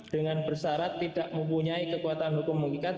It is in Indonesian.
dengan bersarat tidak mempunyai kekuatan hukum mengikat